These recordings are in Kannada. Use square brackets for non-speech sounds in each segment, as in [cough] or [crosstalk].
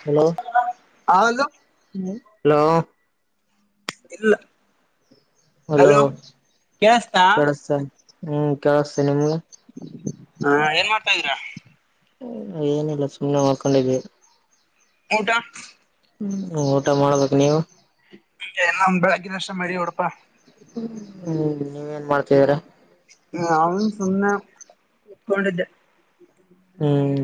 ಹಲೋ ಹಲೋ ಹಲೋ ಇಲ್ಲ ಹಲೋ ಕೇಳಸ್ತಾ ಕೇಳಸ್ಸ ಹ್ಮ್ ಕೇಳಸ್ತೇ ನಿಮ್ಗ ಹಾ ಏನ್ ಮಾಡ್ತಾ ಇದೀರಾ ಏನಿಲ್ಲ ಸುಮ್ನೆ ಮಾಡ್ಕೊಂಡಿದ್ವಿ ಊಟಾ ಹ್ಮ ಊಟ ಮಾಡ್ಬೇಕ ನೀವು ನ ಒಂದ್ ಬೆಳಗ್ಗಿನ ಅಷ್ಟ ಮಡಿ ಹೊಡಪಾ ಹ್ಮ್ ನೀವೇನ್ ಮಾಡ್ತಿದೀರಾ ಹ ಅವನ್ ಸುಂದ ಇೊಂಡಿದ್ದ ಹ್ಮ್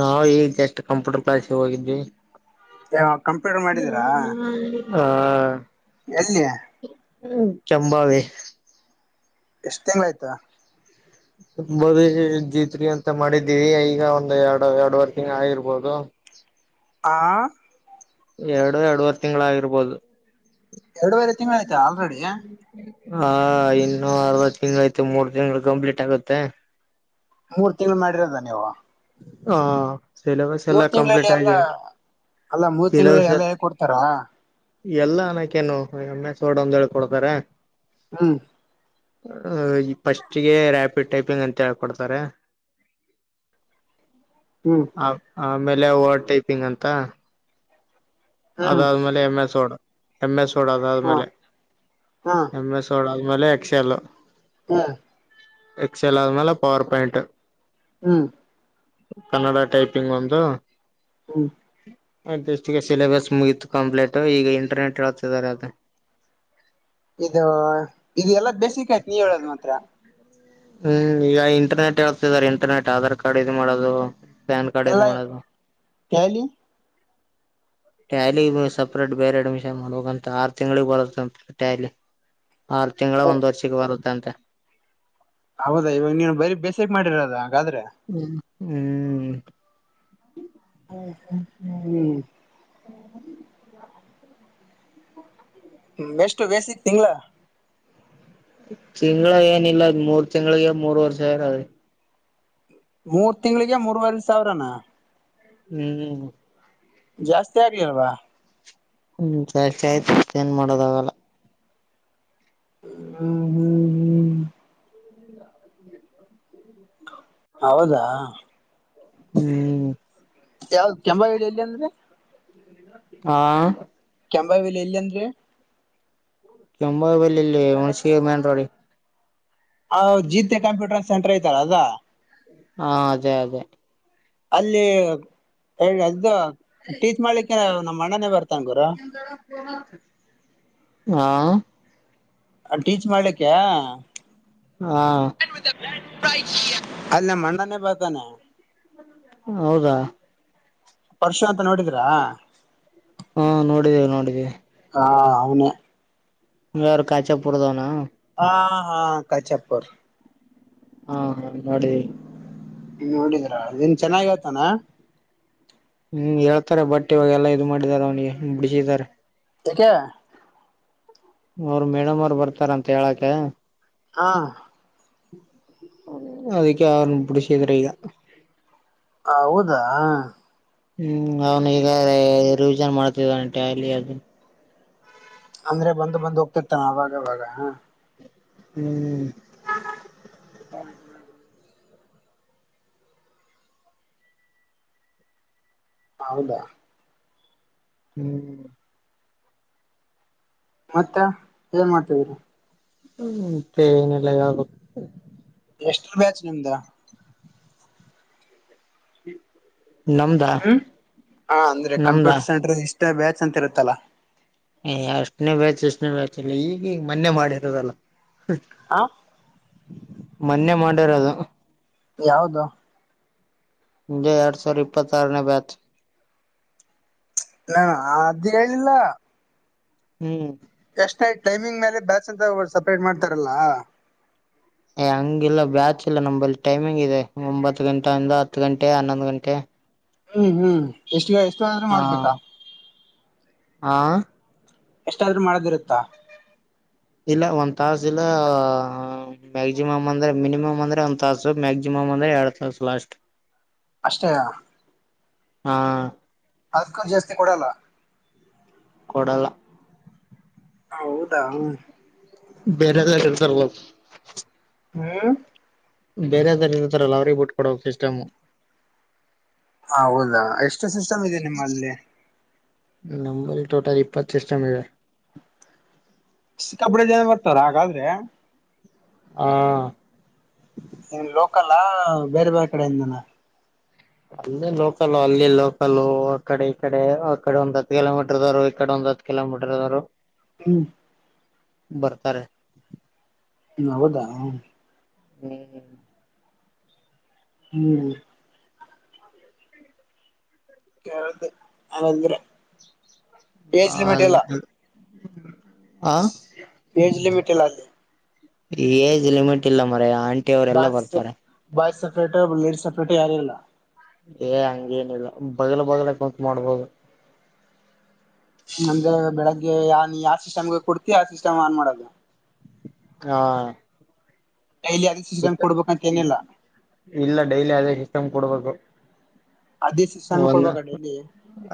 ನಾವವು ಈಗ ಎಷ್ಟ್ ಕಂಪ್ಯೂಟರ್ ಕ್ಲಾಸ್ಿಗೆ ಹೋಗಿದ್ವಿ ಯ ಕಂಪ್ಯೂಟರ್ ಮಾಡಿದೀರಾ ಹಾ ಎಲ್ಲಿಯ ಚಂಂಬಾವೆ [unintelligible] ಎಷ್ಟ್ ತಿಂಗಳ ಆಯ್ತಾ ಮದ ಜಿತ್ರಿ [unintelligible] ಅಂತ ಮಾಡಿದ್ದೀವಿ ಈಗ ಒಂದ್ ಎರಡು ಎರಡುವರೆ ತಿಂಗ್ ಆಗಿರ್ಬೋದು ಆ ಎರಡು ಎರಡವರೆ ತಿಂಗಳ ಆಗಿರ್ಬೋದು ಎರಡುವರೆ ತಿಂಗಳು ಆಯ್ತಾ ಆಲ್ರೆಡಿ ಹಾ ಇನ್ನುೂ ಅರ್ವತ್ತು ತಿಂಗಳು ಐತೆ ಮೂರ್ ತಿಂಗಳು ಕಂಪ್ಲೀಟ್ ಆಗುತ್ತೆ ಮೂರ್ ತಿಂಗಳು ಮಾಡಿರೋದ ನೀವು ಹ ಸಿಲೆಬಸ್ ಎಲ್ಲ ಮೂರ್ ತಿಂಗಳಲ್ಲಿ ಕಂಪ್ಲೀಟ್ ಎಲ್ಲ ಆಗಿದೆ ಅಲ್ಲ ಮೂರ್ ತಿಂಗಳ ಸಿಲೆಬಸ್ ಎಲ್ಲ ಹೇಳ್ಕೊಡ್ತಾರ ಎಲ್ಲ ಅನಕೇನು ಎಮ್ಮೆ ಸೋಡ್ ಒಂದ ಹೇಳಿ ಕೊಡ್ತಾರೆ ಹ್ಮ್ ಅ ಫಸ್ಟ್ಗೆ ರಾಪಿಡ್ ಟೈಪಿಂಗ್ ಅಂತ ಹೇಳ್ಕೊಡ್ತಾರೆ ಹ್ಮ್ ಆ ಆಮೇಲೆ ವರ್ಡ್ ಟೈಪಿಂಗ್ ಅಂತ ಹ್ಮ್ ಅದಾದ್ಮೇಲೆ M S word M S word ಹ್ಮ್ ಅದಾದ್ಮೇಲೆ ಹ್ಮ್ ಎಮ ಎಸ್ ವರ್ಡ್ ಆಮೇಲೆ ಎಕ್ಸ್ ಎಲ್ ಹಾ ಎಕ್ಸಲ್ ಆದ್ಮೇಲೆ ಪವರ್ ಪಾಯಿಂಟ್ ಹ್ಮ್ ಕನ್ನಡ ಟೈಪಿಂಗ್ ಒಂದು ಹ್ಮ್ ಅಷ್ಟಿಗೆ ಸಿಲೆಬಸ್ ಮುಗತು ಕಂಪ್ಲೀಟ್ ಈಗ ಇಂಟರ್ನೆಟ್ ಹೇಳ್ತಿದ್ದಾರೆ ಅದು ಇದು, ಇದು ಎಲ್ಲಾ ಬೇಸಿಕ್ ಆಯ್ತು ನೀವ ಹೇಳೋದ್ ಮಾತ್ರ. ಹ್ಮ್, ಈಗ ಇಂಟರ್ನೆಟ್ ಹೇಳ್ತಿದಿದ್ದಾರೆ. ಇಂಟರ್ನೆಟ್ ಆಧಾರ್ ಕಾರ್ಡ್ ಇದು ಮಾಡೋದು. ಫ್ಯಾನ್ ಕಾರ್ಡ ಎಲ್ಲ ಇದುಮಾಡದು. ಟ್ಯಾಲಿ ಟ್ಯಾಲಿಗು ಸಪ್ರೇಟ್ ಬೇರೆ ಅಡ್ಮಿಷನ್ ಮಾಡಬೇಕಂತ. ಆರು ತಿಂಗಳಿಗೆ ಬರತ್ತಂತ ಟ್ಯಾಲಿ ಆರು ತಿಂಗಳ, ಒಂದ್ ವರ್ಷಕ್ಕೆ ಬರುತ್ತಂತ. ಹೌದಾ, ಇವಾಗ ನೀವು ಬರೀ ಬೇಸಕ್ ಮಾಡಿರದ ಹಾಗಾದ್ರೆ. ಹ್ಮ್ ಹ್ಮ್, ಹ್ಮ್, ್ [unintelligible] ಎಷ್ಟು ವೇಸ ತಿಂಗಲಾ ತಿಂಗಳ ಏನ ಇಲ್ಲಮೂರ್ ತಿಂಳಿಗೆ ಮೂರ್ ವರಿ ಸಾವಿರ ಮೂರ್ ತಿಂಗಳಿಗೆ ಮೂರ್ವರಿ ಸಾವಿರನಾ!, ಹ್ಮ್, ಜಾಸ್ತಿ ಆಗಲಿಲ್ವಾ, ಹ್ಮ್, ಜಾಸ್ತಿ ಆಯ್ತು ಮತ್ ಏನ್ ಮಾಡೋದಾಗಲ್ಲ. ಹ್ಮ್, ಹ್ಮ್, ಹ್ಮ್ ಹೌದಾ, ಹ್ಮ್ ಯಾವ್ದ ಕೆಂಭಾವಿ ಎಲ್ಲಿ ಅಂದೆ ಹಾ, ಕೆಂಭಾಯಿಬಲ್ಲಿ ಎಲ್ಲ ಅಂದ್ರೆ ಕೆಂಭಾವಿ ಬಲ್ಲಿ ಅಲ್ಲಿಹುಣಸಗಿ ಮೇನ್ ರೋಡಿ, ಹ ಜೀತೆೆ ಕಂಪ್ಯೂಟರ್ ಸೆಂಟರ್ ಐತಾಲಅದಾ. ಹಾ, ಅದೇ- ಅದೇ ಅಲ್ಲಿ ಹೇಳಿ ಅದು ಟೀಚ್ ಮಾಡ್ಲಿಕ್ಕೆ ನಮ್ಮ್ ಅಣ್ಣನೇ ಬರ್ತದೆ. ಹಾ [unintelligible] ಅಲ್ಲಿ ಟೀಚ್ ಮಾಡ್ಲಿಕ್ಕೆ, ಹಾ. ಅಲ್ಲ ನಮಣ್ಣಾನೇ ಬರ್ತಾನ. ಹೌದಾ. ಪರಶಾಂತ ನೋಡಿದಿರಾ. ಹಮ ನೋಡಿದ್ದೇವಿ ನೋಡಿದ್ದೀವಿ. ಹಾ ಅವನೆ. ಯುವ ಯಾರ ಕಾಚಪುರದವನ. ಹಾ ಹಾ ಕಾಚಪುರ್. ಹಾ ಹ ಮಾಡದಿವಿ. ನೋಡಿದ್ರಾ ಚೆನ್ನಾಗ ಹೇಳ್ತಾನ. ಹ್ಮ್ ಹೇಳ್ತಾರೆ ಬಟ್ ಇವಾಗ ಎಲ್ಲಾ ಇದು ಮಾಡಿದಿದ್ದಾರೆ ಅವ್ನಿಗೆ ಬಿಡಿಸಿದಾರೆ. ಯಕೆ. ಅವರು ಮೇಡಮ್ ಅವರು ಬರ್ತಾರಂತ ಹೇಳಕ. ಹಾ. ಅದಕ್ಕೆ ಅವರನ ಬಿಡಸದ್ರಿಗ. ಹೌದಾ. ಹ್ಮ್ ಅವನು ಈಗ ರಿವಿಜನ್ ಮಾಡ್ತಿದನೆ ಟ್ಯಾಲಿ ಅದು. ಅಂದ್ರೆ ಬಂದು ಬಂದು ಹೋಗ್ತಿರ್ತಾನ ಅವಾಗ ಅವಗ ಹ. ಹ್ಮ್. ಹ್ಮ ಹ್ಮ. ಹೌದಾ. ಹ್ಮ್. ಮತ್ತ ಏನ್ ಮಾಡ್ತಿದಿರ. ಮತ್ತೆ ಏನಿಲ್ಲ ಹೇಳಬೇಕು. ಎಷ್ಟರ ಬ್ಯಾಚ್ ನಿಂದ. ಹ್ಮ್ ಹ್ಮ್ ಹ ಅಂದ್ರೆ ನಮ್ದಾ ಕಂಪ್ಯೂಟರ್ ಸೆಂಟ್ರ ಇಷ್ಟ ಬ್ಯಾಚ್ ಅಂತ ಇರುತ್ತಲ್ಲ ಹ ಎಷ್ಟನೇ ಬ್ಯಾಚ್ ಎಷ್ಟನೇ ಬ್ಯಾಚ್ ಇಲ್ಲ ಈಗ ಈಗ ಮೊನ್ನೆ ಮಾಡಿರೋದಲ್ಲ ಆ ಮೊನ್ನೆ ಮಾಡ್ಯಾರ ಅದು ಯಾವುದು ೆ ಎರಡ್ ಸಾವಿರ ಇಪ್ಪತ್ತ ಆರ ನ ಬ್ಯಾಚ್ ಹಾ ಆದ ಕೇಳಲಿಲ್ಲ ಹ್ಮ್ ಎಷ್ಟ ಐತ ಟೈಮಿಂಗ್ ಮೇಲೆ ಬ್ಯಾಚ್ ಅಂತ ಸಪ್ರೇಟ್ ಮಾಡ್ತಾರಲ್ಲ ಹಂಗಿಲ್ಲ ಬ್ಯಾಚ ಇಿಲ್ಲ ನಲ್ಲಿ ಟೈಮಿಂಗ್ ಇದೆ ಒಂಬತ್ತು ಗಂಟೆಯ ಅಂದ ಹತ್ತು ಗಂಟೆ ಹನ್ನೊಂದು್ ಗಂಟೆ ಹ್ಮ್ ಹ್ಮ್ ಎಷ್ಟು ಎಷ್ಟು ಆದ್ರೂ ಮಾಡ್ಬೇಕಾ ಆ ಎಷ್ಟಾದ್ರೂ ಮಾಡದಿರುತ್ತಾ ಇಲ್ಲ ಒಂದ್ ತಾಸ ಇಲ್ಲ ಮ್ಯಾಕ್ಸಿಮಮ್ ಅಂದ್ರೆ ಮಿನಿಮಮ್ ಅಂದ್ರೆ ಒಂದ್ ತಾಸು ಮ್ಯಾಕ್ಸಿಮಮ್ ಎರಡು ತಾಸ ಲಾಸ್ಟ್ ಅಷ್ಟೇ ಹಾ ಅದಕ ಜಾಸ್ತಿ ಕೊಡಲ್ಲ ಕೊಡಲ ಹೌದಾ ಹ್ಮ ಬೇರೆ ದಳಿಯದರ್ತವು ಹ್ಮ ಬೇರೆದಾರ ಇದತರಲ್ಲ ಅವ್ರಿಗೆ ಬಿಟ್ ಕೊಡಬೇಕ ಸಿಸ್ಟಮ್ ಹೌದಾ ಎಷ್ಟು ಸಿಸ್ಟಮ್ ಇದೆ ನಿಮ್ಮಲ್ಲಿ ನಂಬರ್ ಟೋಟಲ್ ಇಪ್ಪತ್ತು ಸಿಸಟಮ ಇದೆ ಕಬಡಿ ಜನ ಬರ್ತಾರ ಹಾಗಾದ್ರೆ ಹ ಇನ್ ಲೋಕಲ್ಾ ಬೇರೆ ಬೇರೆ ಕಡೆಯಿಂದಾನ ಅಲ್ಲಿ ಲೋಕಲ್ ಅಲ್ಲಿ ಲೋಕಲ್ ಒ ಕಡೆ ಈ ಕಡೆ ಒ ಕಡೆ ಒಂದು ಹತ್ತು ಕಿಲೋಮೀಟರ್ ದೂರು ಈಡೆ ಒಂದ ಕಿಲೋಮೀಟರ್ ಅವರು ಹ್ಮ್ ಬರ್ತಾರೆ ಹ್ಮ ಹೌದಾ ಹ ಹ್ಮ್ ಹ್ಮ ಹ್ಮ್ ಕೇಳ್ದ ನಂದ್ರೆ ಪೇಜಲಿಮೆಟ್ ಎಲ್ಲ ಆ ಪೇಜಲಿ ಮಿಟೆಲ್ಲ ಅಲ್ಲಿ ಏಜ್ ಲಿಮಿಟ್ ಇಲ್ಲ ಮರ ಆಂಟಿ ಅವರೆ ಎಲ್ಲಾ ಬರ್ತಾರೆ ಸಪೇ ಬೇಡ್ ಸೆಪರೇಟ್ ಯಾರಲ್ಲ ಏ ಹಂಗೇನಿಲ್ಲ ಬದಲ ಬದಲಕಂತ ಮಾಡ್ಬೋದು ನಮ್ದ್ರೆ ಬೆಳಗ್ಗೆ ಯ ನೀ ಯಾವ ಸಿಸ್ಟಮ್ಗೆ ಕೊಡ್ತಿ ಆ ಸಿಸ್ಟಮ್ ಆನ್ ಮಾಡೋದು ಹಾ ಡೈಲಿ ಅದೇ ಸಿಸ್ಟಮ್ ಕೊಡ್ಬೇಕಂತ ಏನಿಲ್ಲ ಇಲ್ಲ ಡೈಲಿ ಅದೇ ಸಿಸ್ಟಮ್ ಕೊಡ್ಬೇಕು ಅದೇ ಸಿಸ್ಟಮ್ ಒಂದು ಕೊಡ್ಬೇಕ ಡೈಲಿ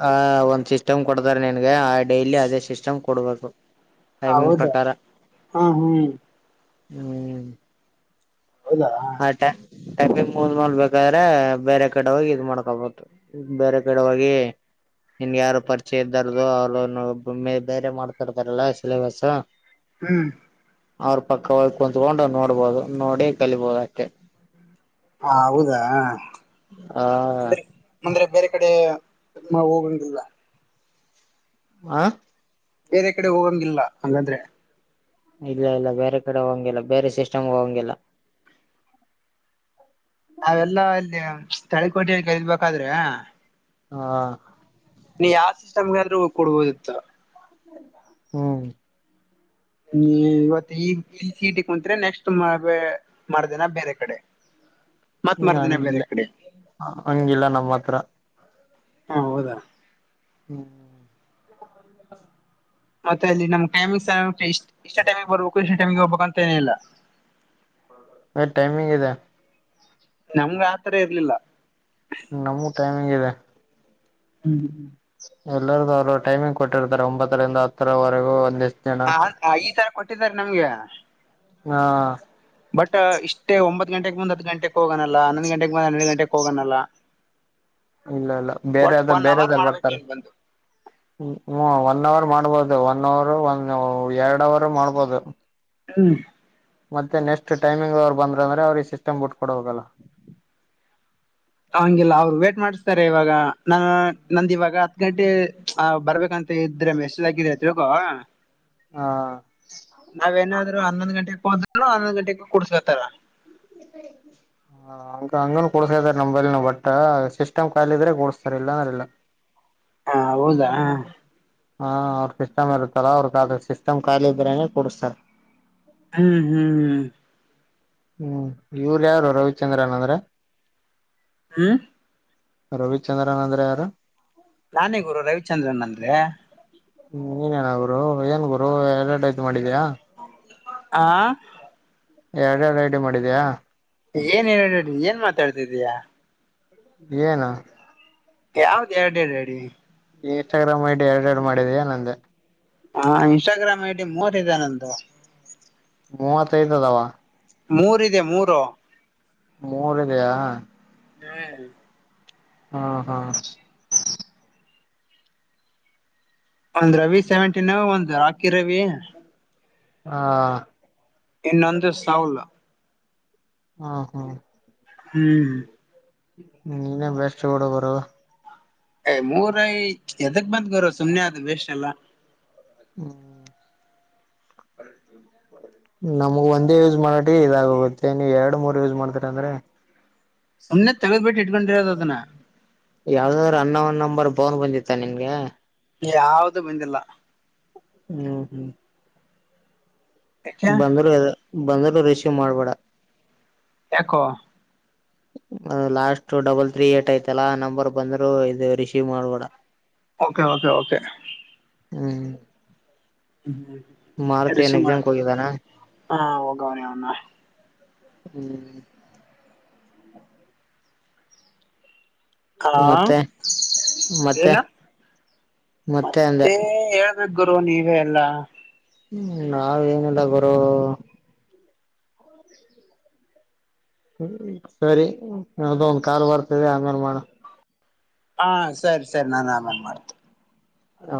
ಆ ಒಂದ್ ಸಿಸ್ಟಮ್ ಕೊಡ್ತಾರೆ ನನ್ಗೆ ಆ ಡೈಲಿ ಅದೇ ಸಿಸ್ಟಮ್ ಕೊಡ್ಬೇಕು ಟೈಮಿಂಗ್ ಹೌದಾ ಪ್ರಕಾರ ಹಾ ಹ್ಮ್ ಹ್ಮ್ ಹೌದಾ ಆ ಟಕಿ ಮೂದ ಮಲ್ ಬೇಕಾದ್ರೆ ಬೇರೆ ಕಡೆ ಹೋಗಿ ಇದ್ ಮಾಡ್ಕೊಬಹು ಬೇರೆ ಕಡೆ ಬಡವಾಗಿ ನಿನ್ಗೆ ಯಾರು ಪರಿಚಯ ಇದ್ದಾರು ಅವ್ರು ಬೇರೆ ಮಾಡ್ತಾಡ್ತಾರಲ್ಲ ಸಿಲೆಬಸ್ ಹ್ಮ್ ಅವ್ರ ಪಕ್ಕವಾಗಿ ಕುತ್ಕೊಂಡು ನೋಡ್ಬೋದು ನೋಡಿ ಕಲಿಬೋದು ಅಕೆ ಹ ಹೌದಾ ಹಾ ಅಂದ್ರೆ ಅಂದ್ರೆ ಬೇರೆ ಕಡೆ ಹೋಗೊಂಡಿಲ್ಲ ಆ ಬೇರೆ ಕಡೆ ಹೋಗಂಗಿಲ್ಲ ಹಂಗಂದ್ರೆ ಇಲ್ಲ ಇಲ್ಲ ಬೇರೆ ಕಡೆ ಹಂಗಿಲ್ಲ ಬೇರೆ ಸಿಸ್ಟಮ್ ಹಂಗಿಲ್ಲ [inaudible] ತಳಿ ಕೋಟೆ ಕೈದಬೇಕಾದ್ರೆ ಹಾ ನೀ ಯಾವ ಸಿಸ್ಟಮ್ಗೆ ಆದ್ರೂ ಹ ಕೊಡ್ಬೋದಿತ್ತ ಹ್ಮ್ ಹ್ಮ ಇವತ್ತು ಈ ಸೀಟಿ ಕುಂತ್್ರೆ ನೆಕ್ಸ್ಟ್ ಮಾಡ್ದೇನಾ ಬೇರೆ ಕಡೆ ಹ [inaudible] ಹ್ಮ ಹಂಗಿಲ್ಲ ಹಂಗಿಲ್ಲ ನಮ್ಮ ಹತ್ರ ಹಾ ಹೌದಾ ಹ್ಮ್ [inaudible] ಮತ್ತೆ ಅಲ್ಲಿ ನಮ್ ಟೈಮಿ್ ಇಷ್ಟ ಇಷ್ಟ ಟೈಮಿಗೆ ಬರ್ಬೇಕು ಇಷ್ಟ ಟೈಮಿಗೆಗೆ ಹೋಗಬೇಕು ಅಂತ ಏನ ಇಿಲ್ಲ [unintelligible] [inaudible] ಮ ಟೈಮಿಂಗ್ ಇದೆ ನಮ್ಗೆ ಆತ್ರ ಇರ್ಲಿಲ್ಲ ನಮೂ ಟೈಮಿಂಗ್ ಇದೆ ಹ್ಮ್್ಮ [unintelligible] ಎಲ್ಲರ್ದೂ ಅವ್ರು ಟೈಮಿಂಗ್ ಕೊಟ್ಟಿರ್ತಾರೆ ಒಂಬತ್ತರಿಂದ ಹತ್ತರವರೆಗೂ ಒಂದಷ್ಟ ಹ ಈ ತರ ಕೊಟ್ಟಿದ್ದಾರೆ ನಮ್ಗೆ ಹಾ ಬಟ್ ಇಷ್ಟೇ ಒಂಬತ್ ಗಂಟೆಗೆ ಬಂದ್ ಹದ್ ಗಂಟೆಗೆ ಹೋಗನಲ್ಲ ಹನ್ನೊಂದ್ ಗಂಟೆಗೆ ಬಂದ್ ಹನ್ನೆರಡು ಗಂಟೆಗೆ ಹೋಗನಲ್ಲ ಇಲ್ಲ ಇಲ್ಲ ಬೇರೆದ ಬೇರೆದಾರ್ ಮಾಡ್ಬೇಕು ಬರ್ತಾರೆ ನೀನ್ ಬಂದು ಹ್ಮ ಒನ್ ಅವರ್ ಮಾಡ್ಬೋದು ಅದು ಒನ್ ಅವರು ಒಂದ ಎರಡ್ ಅವರು ಮಾಡ್ಬೋದು ಹ್ಮ್ ಮತ್ತೆ ನೆಕ್ಸ್ಟ್ ಟೈಮಿಂಗ್ ಅವರು ಬಂದ್ರ ಅಂದ್ರೆ ಅವ್ರಿಗೆ ಸಿಸ್ಟಮ್ ಬಿಟ್ ಕೊಡ ಹೋಗಲ್ಲ ಹಂಗಿಲ್ಲ ಅವ್ರು ವೇಟ್ ಮಾಡಿಸ್ತಾರೆ ಇವಾಗ ನಾನ ನಂದ ಇವಾಗ ಹತ್ ಗಂಟೆ ಆ ಬರ್ಬೇಕಂತ ಮತ್ತ ಇದ್ರೆ ಮೆಸ್ಗಿದತ್ಗೋ ಹಾ ನಾವೇನಾದ್ರು ಹನ್ನೊಂದ್ ಗಂಟೆಗೆ ಹೋದರು ಹನ್ನೊಂದ್ ಗಂಟೆಗೆ ಕುಡ್ಸ್ಬೇಕತಾರ ಹ ಹಂಗ ಹಂಗನ ಕೂಡ್ಸಾ ಇದಾರೆ ನೈಲ್ನ ಬಟ್ಟ ಸಿಸ್ಟಮ್ ಖಾಲ ಇದ್ರೆ ಕೂಡ್ಸ್ತಾರ ಇಲ್ಲಾ ಅಂದ್ರ ಇಲ್ಲ ಹಾ ಹೌದಾ ಹಾ ಅವ್ರ ಸಿಸ್ಟಮ್ ಇರುತ್ತಲ್ಲ ಅವ್ರ ಸಿಸ್ಟಮ್ ಖಾಲಿ ಇದ್ರನೆ ಕೊಡ್ತರ್ ಹ್ಮ್ ಹ್ಮ್ ಹ್ಮ್ ಹ್ಮ್ ಇವ್ರ ಯಾರು ರವಿಚಂದ್ರನ್ ಅಂದ್ರೆ ಹ್ಮ ರವಿಚಂದ್ರನ್ ಅಂದ್ರೆ ಯಾರು ನಾನೇ ಗುರು ರವಿಚಂದ್ರನ್ ಅಂದ್ರೆ ಹ್ಮ್ ನೀಏನ್ನ ಗುರು ಏನ್ ಗುರು ಎಲ್ಲರಡು ರೈ ತ ಮಾಡಿದಯ ಆ ಎರಡು ಎರಡು ರೈಡಿ ಮಾಡಿದ್ಯಾ ಏನ್ನು ಏನ್ ಮಾತಾಡ್ತಿದ್ದಯಾ ಏನು ಯಾವ್ದ ಎರಡ ಎಡಿ ಹೇಳಿದ್ದೀನಿ ಇನ್ಸ್ಟಾಗ್ರಾಮ್ ಐಡಿ ಎರಡು ಎರಡು ಮಾಡಿದಯಾ ನಂದೆ ಹಾ ಇನ್ಸ್ಟಾಗ್ರಾಮ್ ಐಡಿ ಮೂರ್ದೆ ನಂದು ಮೂವತ್ತ ಐತದಾವ ಮೂರ ಇದೆ ಮೂರು ಮೂೋರಿಗೆೆಯಾ ಹ್ಮ್ ಹಾ ಹಾ ಒಂದ್ ರವಿ ಸೆವೆಂಟೀನ್ ಒಂದು್ ರಾಕಿ ರವಿ ಹಾ ಇನ್ನೊಂದು ಸಾೌಲ ಹಾ ಹಾ ಹ್ಮ್ ಹ್ಮ ಬೆಷ್ಟ ಬಡ ಬರ ಏ ಮೂರೈ ಎದಕ್ ಬಂದ್ ಗರು ಸುಮ್ನೆ ಆದ ವಸ್ ಎಲ್ಲ ಹ್ಮ್ ಹ ನಮ್ಗ್ ಒಂದೇ ಯೂಸ್ ಮಾಡಟಿ ಇದಾಗೋಗುತ್ತೆ ನೀವ ಎರಡು ಮೂರ್ ಯೂಸ್ ಮಾಡ್ತರಿ ಅಂದ್ರೆ ಸುಮ್ಮನೆ ತಗಬಿಟ್ಟು ಇಟ್ಕೊಂಡಿರೋದು ಅದನ್ನ ಯಾವ್ದಾದ್ರು ಅನ್ನ ಒನ್ನಂಬರ್ ಬೋನ್ ಬಂದಿತ್ತ ನಿನ್ಗೆ ಯಾವುದು ಬಂದಿಲ್ಲ ಹ್ಮ್ ಹ್ಮ್ ಯಾಕೆ ಬಂದರುೂ ಬಂದರುೂ ರರಿಷೀ್ ಮಾಡ್ಬೇಡ ಯಾಕೋ ಲಾಸ್ಟ್ ಡಬಲ್ ತ್ರೀ ಏಟ್ ಐತಲ್ಲಾ ನಂಬರ್ ಬಂದ್ರರು ಇದು ರಿಸೀವ್ ಮಾಡಬೋಡ ಓಕೆ ಓಕೆ ಓಕೆ ಹ್ಮ್ ಹ್ಮ್ ಮಾರುತಿ ಎಸ್ ಏನ್ ಮಾಡ ಎಕ್ಸಾಮ್ಗೆ ಹೋಗಿದ್ದಾನ ಹ ಹೋಗವ್ರಿ ಅವನ್ನ ಹ್ಮ್ ಹಲೋ ಮತ್ತೆ ಮತ್ತೆ ಏನ ಮತ್ತೆ. ಹ ಗರು ನೀವೇ ಎಲ್ಲಾ. ಹ್ಮ್ ನಾವ ಏನಿಲ್ಲ ಬರೋ. ಹ್ಮ ಸರಿ ಅದ ಒಂದ ಕಾಲ್ ಬರ್ತದೆ ಅಮೇಲೆ ಮಾಡ. ಹಾ ಸರಿ ಸರಿ ನಾನು ಆಮೇಲ್ ಮಾಡ್ತೇನೆ. ಹ.